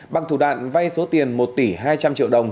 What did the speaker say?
bằng thủ đoạn vay số tiền một tỷ hai trăm linh triệu đồng